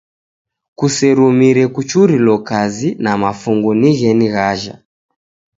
Kuserumire kuchurilo kazi na mafungu ni gheni ghaja.